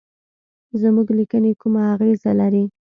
زموږ لیکني کومه اغیزه لري.